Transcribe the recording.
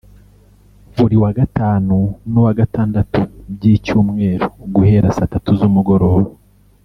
Buri wa Gatanu n’uwa Gatandatu by’icyumweru guhera saa tatu z’umugoroba